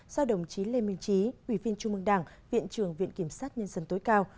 do đồng chí lê minh trí ủy viên trung mương đảng viện trưởng viện kiểm sát nhân dân tối cao